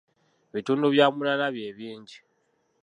Bitundu bya munaana bye bingi!